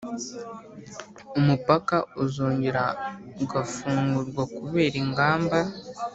umupaka uzongera ugafungurwakubera ingamba